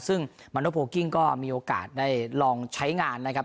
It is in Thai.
ซึ่งมาโนโพลกิ้งก็มีโอกาสได้ลองใช้งานนะครับ